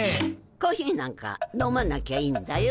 コーヒーなんか飲まなきゃいいんだよ。